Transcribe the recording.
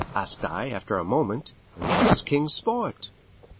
asked I after a moment; "and what is King's sport?"